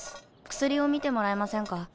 薬を見てもらえませんか？